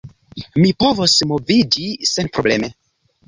Mi povos moviĝi senprobleme.